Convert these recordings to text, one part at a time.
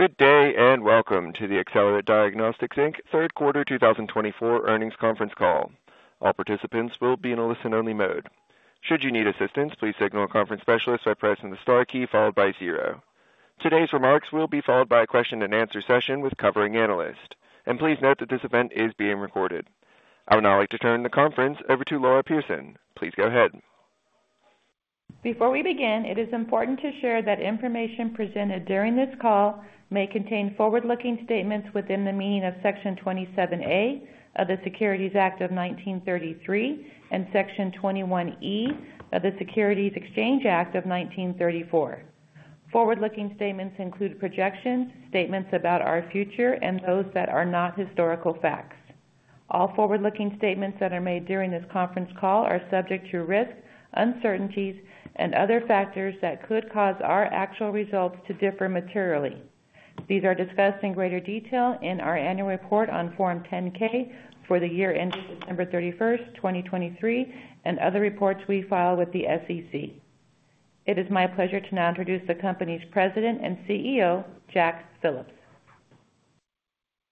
Good day and welcome to the Accelerate Diagnostics, Inc. third quarter 2024 earnings conference call. All participants will be in a listen-only mode. Should you need assistance, please signal a conference specialist by pressing the star key followed by zero. Today's remarks will be followed by a question-and-answer session with a covering analyst, and please note that this event is being recorded. I would now like to turn the conference over to Laura Pierson. Please go ahead. Before we begin, it is important to share that information presented during this call may contain forward-looking statements within the meaning of Section 27A of the Securities Act of 1933 and Section 21E of the Securities Exchange Act of 1934. Forward-looking statements include projections, statements about our future, and those that are not historical facts. All forward-looking statements that are made during this conference call are subject to risk, uncertainties, and other factors that could cause our actual results to differ materially. These are discussed in greater detail in our annual report on Form 10-K for the year ending December 31st, 2023, and other reports we file with the SEC. It is my pleasure to now introduce the company's President and CEO, Jack Phillips.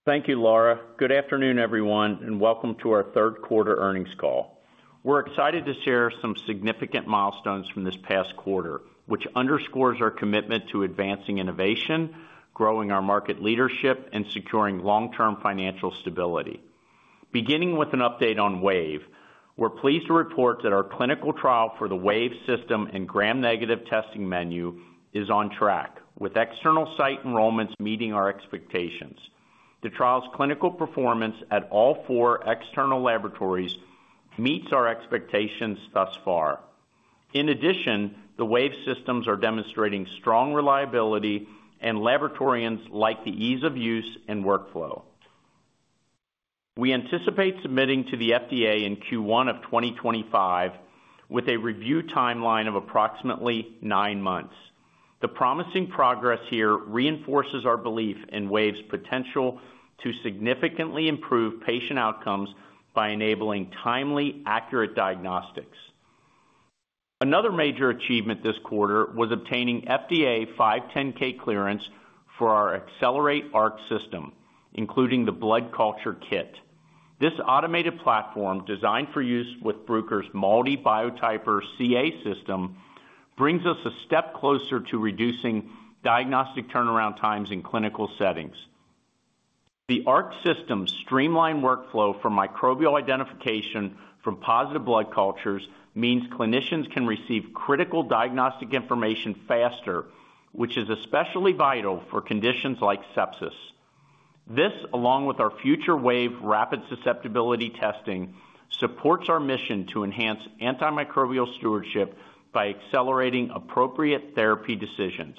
Thank you, Laura. Good afternoon, everyone, and welcome to our third quarter earnings call. We're excited to share some significant milestones from this past quarter, which underscores our commitment to advancing innovation, growing our market leadership, and securing long-term financial stability. Beginning with an update on Wave, we're pleased to report that our clinical trial for the Wave system and Gram-negative testing menu is on track, with external site enrollments meeting our expectations. The trial's clinical performance at all four external laboratories meets our expectations thus far. In addition, the Wave systems are demonstrating strong reliability and laboratorians like the ease of use and workflow. We anticipate submitting to the FDA in Q1 of 2025 with a review timeline of approximately nine months. The promising progress here reinforces our belief in Wave's potential to significantly improve patient outcomes by enabling timely, accurate diagnostics. Another major achievement this quarter was obtaining FDA 510(k) clearance for our Accelerate Arc system, including the Blood Culture Kit. This automated platform, designed for use with Bruker's MALDI Biotyper CA system, brings us a step closer to reducing diagnostic turnaround times in clinical settings. The Arc system's streamlined workflow for microbial identification from positive blood cultures means clinicians can receive critical diagnostic information faster, which is especially vital for conditions like sepsis. This, along with our future Wave rapid susceptibility testing, supports our mission to enhance antimicrobial stewardship by accelerating appropriate therapy decisions.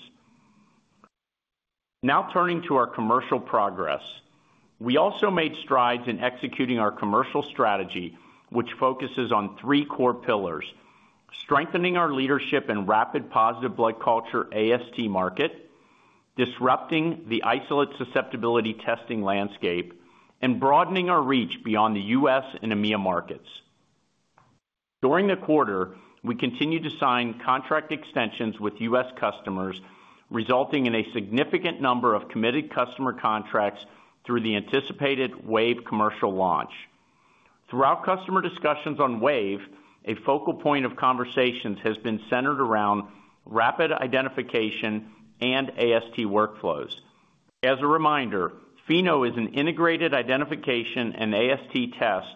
Now turning to our commercial progress, we also made strides in executing our commercial strategy, which focuses on three core pillars: strengthening our leadership in rapid positive blood culture AST market, disrupting the isolate susceptibility testing landscape, and broadening our reach beyond the U.S. and EMEA markets. During the quarter, we continue to sign contract extensions with U.S. customers, resulting in a significant number of committed customer contracts through the anticipated Wave commercial launch. Throughout customer discussions on Wave, a focal point of conversations has been centered around rapid identification and AST workflows. As a reminder, Pheno is an integrated identification and AST test,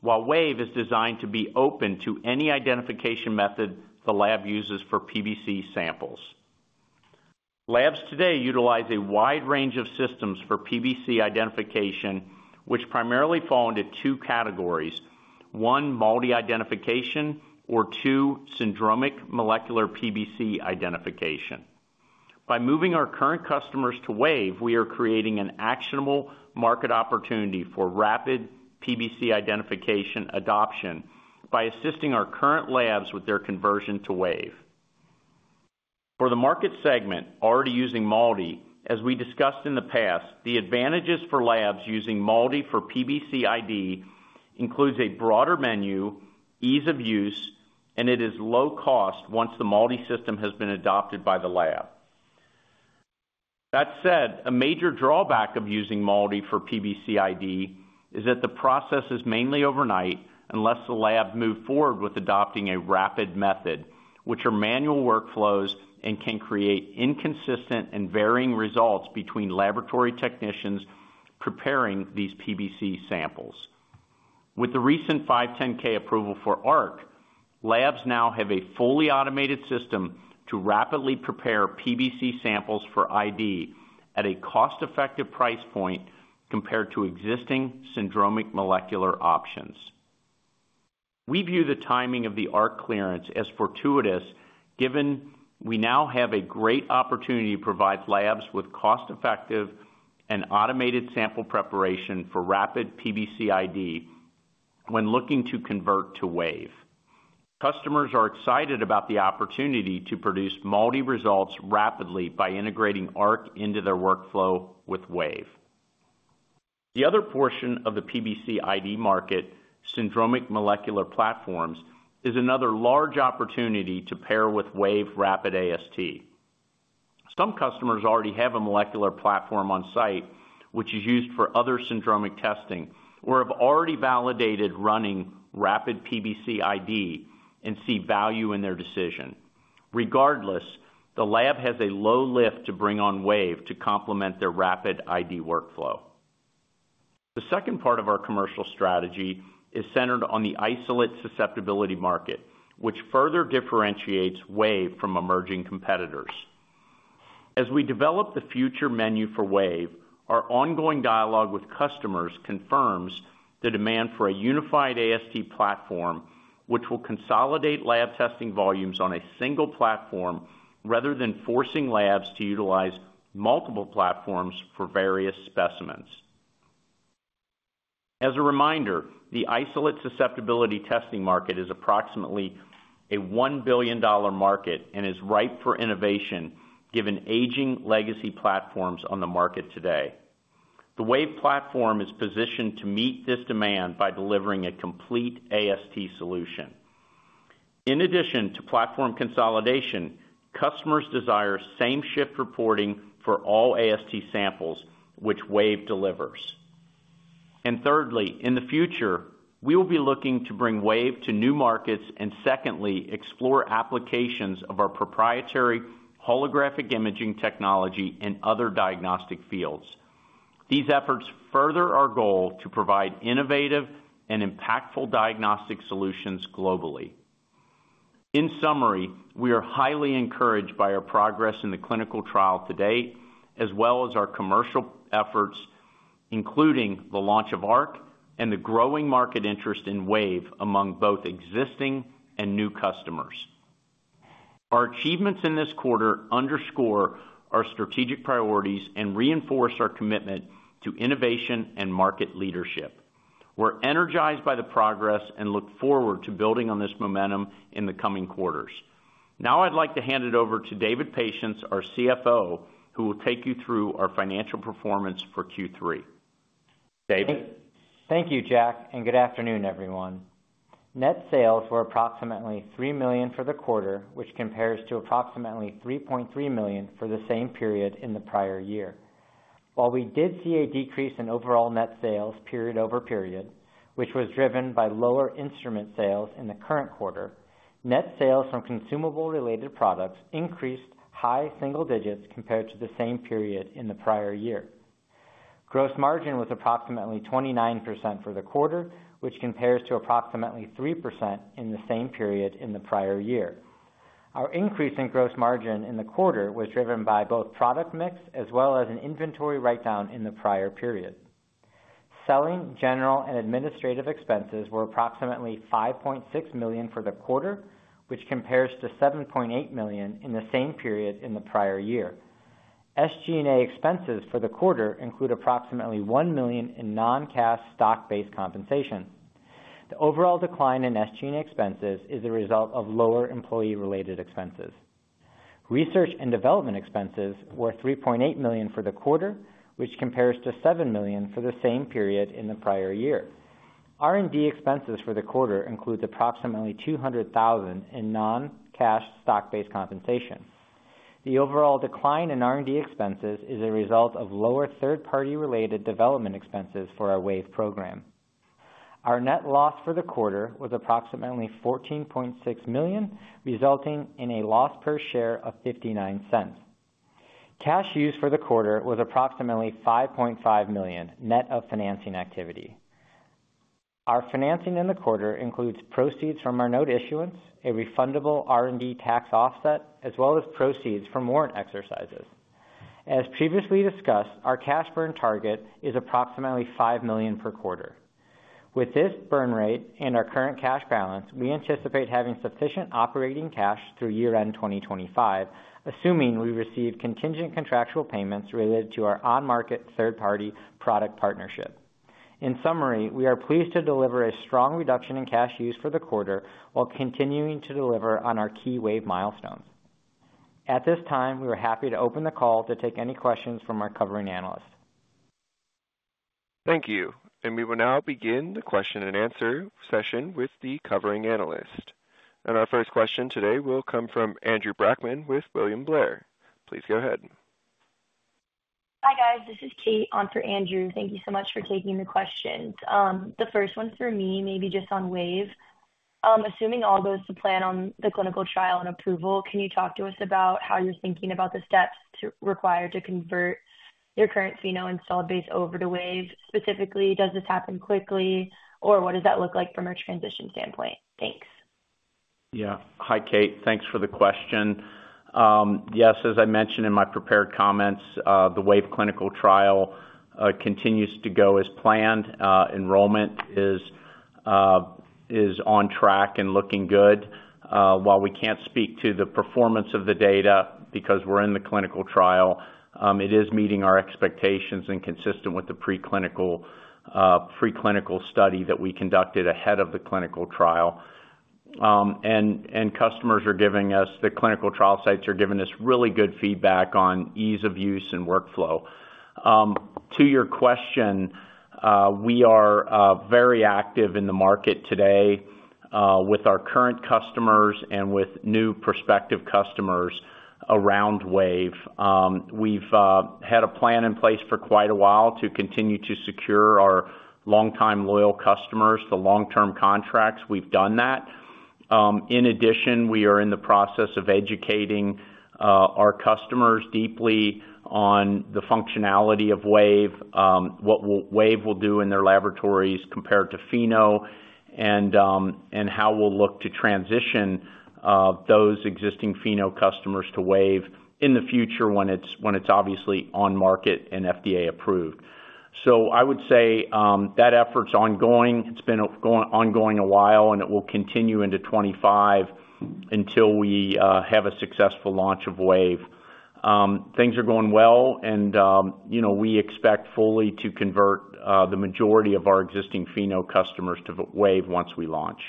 while Wave is designed to be open to any identification method the lab uses for PBC samples. Labs today utilize a wide range of systems for PBC identification, which primarily fall into two categories: one, MALDI identification, or two, syndromic molecular PBC identification. By moving our current customers to Wave, we are creating an actionable market opportunity for rapid PBC identification adoption by assisting our current labs with their conversion to Wave. For the market segment already using MALDI, as we discussed in the past, the advantages for labs using MALDI for PBC ID include a broader menu, ease of use, and it is low cost once the MALDI system has been adopted by the lab. That said, a major drawback of using MALDI for PBC ID is that the process is mainly overnight unless the lab moves forward with adopting a rapid method, which are manual workflows and can create inconsistent and varying results between laboratory technicians preparing these PBC samples. With the recent 510(k) approval for Arc, labs now have a fully automated system to rapidly prepare PBC samples for ID at a cost-effective price point compared to existing syndromic molecular options. We view the timing of the Arc clearance as fortuitous given we now have a great opportunity to provide labs with cost-effective and automated sample preparation for rapid PBC ID when looking to convert to Wave. Customers are excited about the opportunity to produce MALDI results rapidly by integrating Arc into their workflow with Wave. The other portion of the PBC ID market, syndromic molecular platforms, is another large opportunity to pair with Wave rapid AST. Some customers already have a molecular platform on-site, which is used for other syndromic testing, or have already validated running rapid PBC ID and see value in their decision. Regardless, the lab has a low lift to bring on Wave to complement their rapid ID workflow. The second part of our commercial strategy is centered on the isolate susceptibility market, which further differentiates Wavefrom emerging competitors. As we develop the future menu for Wave, our ongoing dialogue with customers confirms the demand for a unified AST platform, which will consolidate lab testing volumes on a single platform rather than forcing labs to utilize multiple platforms for various specimens. As a reminder, the isolate susceptibility testing market is approximately a $1 billion market and is ripe for innovation given aging legacy platforms on the market today. The Wave platform is positioned to meet this demand by delivering a complete AST solution. In addition to platform consolidation, customers desire same-shift reporting for all AST samples, which Wave delivers. And thirdly, in the future, we will be looking to bring Wave to new markets and secondly, explore applications of our proprietary holographic imaging technology in other diagnostic fields. These efforts further our goal to provide innovative and impactful diagnostic solutions globally. In summary, we are highly encouraged by our progress in the clinical trial to date, as well as our commercial efforts, including the launch of Arc and the growing market interest in Wave among both existing and new customers. Our achievements in this quarter underscore our strategic priorities and reinforce our commitment to innovation and market leadership. We're energized by the progress and look forward to building on this momentum in the coming quarters. Now I'd like to hand it over to David Patience, our CFO, who will take you through our financial performance for Q3. David. Thank you, Jack, and good afternoon, everyone. Net sales were approximately $3 million for the quarter, which compares to approximately $3.3 million for the same period in the prior year. While we did see a decrease in overall net sales period over period, which was driven by lower instrument sales in the current quarter, net sales from consumable-related products increased high single digits compared to the same period in the prior year. Gross margin was approximately 29% for the quarter, which compares to approximately 3% in the same period in the prior year. Our increase in gross margin in the quarter was driven by both product mix as well as an inventory write-down in the prior period. Selling, general, and administrative expenses were approximately $5.6 million for the quarter, which compares to $7.8 million in the same period in the prior year. SG&A expenses for the quarter include approximately $1 million in non-cash stock-based compensation. The overall decline in SG&A expenses is a result of lower employee-related expenses. Research and development expenses were $3.8 million for the quarter, which compares to $7 million for the same period in the prior year. R&D expenses for the quarter include approximately $200,000 in non-cash stock-based compensation. The overall decline in R&D expenses is a result of lower third-party-related development expenses for our Wave program. Our net loss for the quarter was approximately $14.6 million, resulting in a loss per share of $0.59. Cash used for the quarter was approximately $5.5 million net of financing activity. Our financing in the quarter includes proceeds from our note issuance, a refundable R&D tax offset, as well as proceeds from warrant exercises. As previously discussed, our cash burn target is approximately $5 million per quarter. With this burn rate and our current cash balance, we anticipate having sufficient operating cash through year-end 2025, assuming we receive contingent contractual payments related to our on-market third-party product partnership. In summary, we are pleased to deliver a strong reduction in cash used for the quarter while continuing to deliver on our key Wave milestones. At this time, we are happy to open the call to take any questions from our covering analyst. Thank you. And we will now begin the question and answer session with the covering analyst. And our first question today will come from Andrew Brackman with William Blair. Please go ahead. Hi, guys. This is Kate, on for Andrew. Thank you so much for taking the questions. The first one's for me, maybe just on Wave. Assuming all goes to plan on the clinical trial and approval, can you talk to us about how you're thinking about the steps required to convert your current Pheno and installed base over to Wave? Specifically, does this happen quickly, or what does that look like from a transition standpoint? Thanks. Yeah. Hi, Kate. Thanks for the question. Yes, as I mentioned in my prepared comments, the Wave clinical trial continues to go as planned. Enrollment is on track and looking good. While we can't speak to the performance of the data because we're in the clinical trial, it is meeting our expectations and consistent with the preclinical study that we conducted ahead of the clinical trial. And the clinical trial sites are giving us really good feedback on ease of use and workflow. To your question, we are very active in the market today with our current customers and with new prospective customers around Wave. We've had a plan in place for quite a while to continue to secure our long-time loyal customers to long-term contracts. We've done that. In addition, we are in the process of educating our customers deeply on the functionality of Wave, what Wave will do in their laboratories compared to Pheno, and how we'll look to transition those existing Pheno customers to Wave in the future when it's obviously on market and FDA approved. So I would say that effort's ongoing. It's been ongoing a while, and it will continue into 2025 until we have a successful launch of Wave. Things are going well, and we expect fully to convert the majority of our existing Pheno customers to Wave once we launch.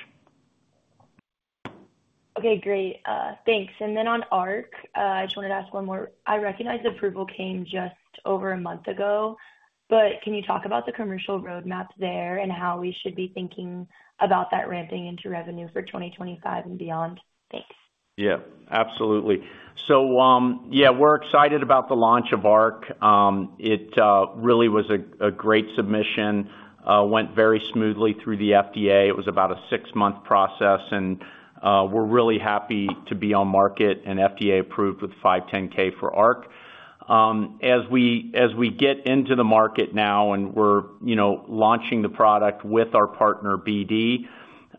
Okay. Great. Thanks. And then on Arc, I just wanted to ask one more. I recognize the approval came just over a month ago, but can you talk about the commercial roadmap there and how we should be thinking about that ramping into revenue for 2025 and beyond? Thanks. Yeah. Absolutely. So yeah, we're excited about the launch of Arc. It really was a great submission, went very smoothly through the FDA. It was about a six-month process, and we're really happy to be on market and FDA approved with 510(k) for Arc. As we get into the market now and we're launching the product with our partner BD,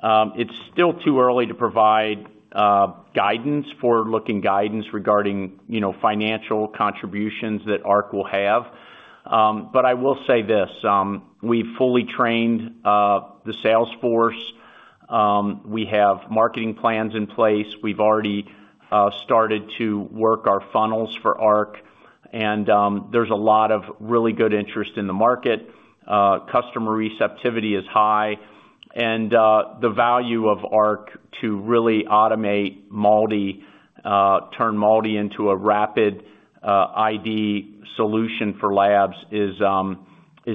it's still too early to provide guidance regarding financial contributions that Arc will have. But I will say this: we've fully trained the sales force. We have marketing plans in place. We've already started to work our funnels for Arc, and there's a lot of really good interest in the market. Customer receptivity is high, and the value of Arc to really automate MALDI, turn MALDI into a rapid ID solution for labs, is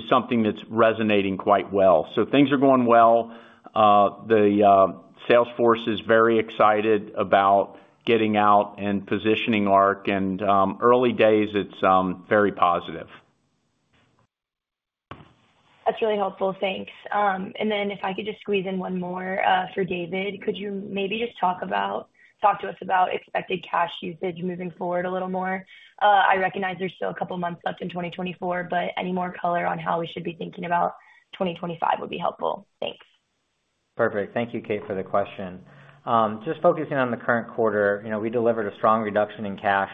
something that's resonating quite well. So things are going well. The sales force is very excited about getting out and positioning Arc, and early days, it's very positive. That's really helpful. Thanks, and then if I could just squeeze in one more for David, could you maybe just talk to us about expected cash usage moving forward a little more? I recognize there's still a couple of months left in 2024, but any more color on how we should be thinking about 2025 would be helpful. Thanks. Perfect. Thank you, Kate, for the question. Just focusing on the current quarter, we delivered a strong reduction in cash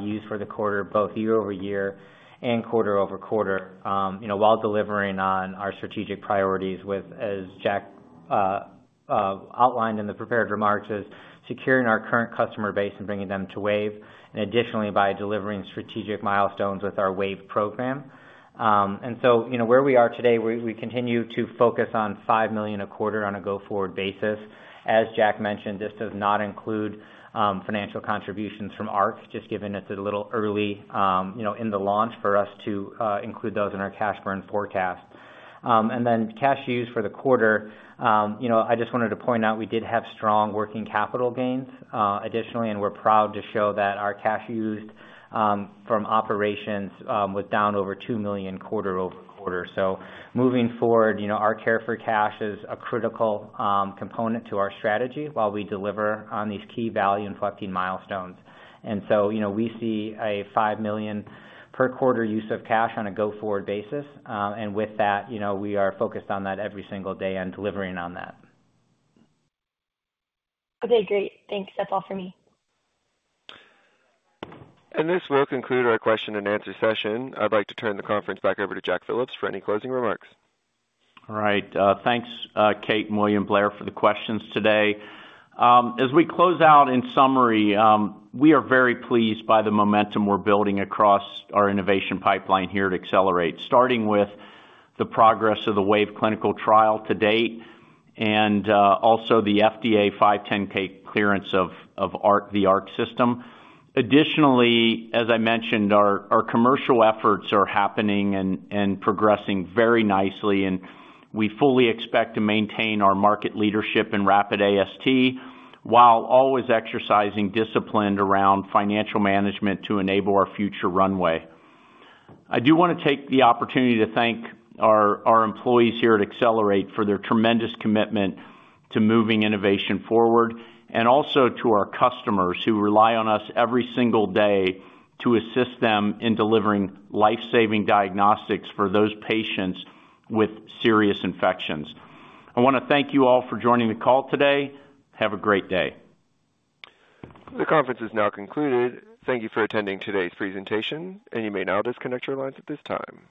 use for the quarter, both year-over-year and quarter-over-quarter, while delivering on our strategic priorities with, as Jack outlined in the prepared remarks, securing our current customer base and bringing them to Wave, and additionally by delivering strategic milestones with our Waveprogram. And so where we are today, we continue to focus on $5 million a quarter on a go-forward basis. As Jack mentioned, this does not include financial contributions from Arc, just given it's a little early in the launch for us to include those in our cash burn forecast. And then cash used for the quarter, I just wanted to point out we did have strong working capital gains additionally, and we're proud to show that our cash used from operations was down over $2 million quarter-over-quarter. So moving forward, our cash conservation is a critical component to our strategy while we deliver on these key value-inflecting milestones. And so we see a $5 million per quarter use of cash on a go-forward basis, and with that, we are focused on that every single day and delivering on that. Okay. Great. Thanks. That's all for me. This will conclude our question and answer session. I'd like to turn the conference back over to Jack Phillips for any closing remarks. All right. Thanks, Kate and William Blair, for the questions today. As we close out, in summary, we are very pleased by the momentum we're building across our innovation pipeline here at Accelerate, starting with the progress of the Wave clinical trial to date and also the FDA 510(k) clearance of the Arc system. Additionally, as I mentioned, our commercial efforts are happening and progressing very nicely, and we fully expect to maintain our market leadership and rapid AST while always exercising discipline around financial management to enable our future runway. I do want to take the opportunity to thank our employees here at Accelerate for their tremendous commitment to moving innovation forward and also to our customers who rely on us every single day to assist them in delivering lifesaving diagnostics for those patients with serious infections. I want to thank you all for joining the call today. Have a great day. The conference is now concluded. Thank you for attending today's presentation, and you may now disconnect your lines at this time.